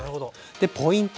ポイント